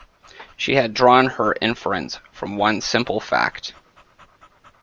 She had drawn her inference from one simple fact.